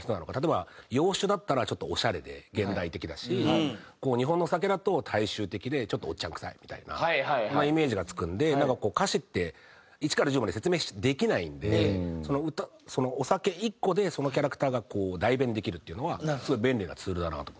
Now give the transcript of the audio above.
例えば洋酒だったらちょっとオシャレで現代的だし日本のお酒だと大衆的でちょっとおっちゃんくさいみたいなそんなイメージがつくんでなんかこう歌詞って一から十まで説明できないんでお酒１個でそのキャラクターが代弁できるっていうのはすごい便利なツールだなと。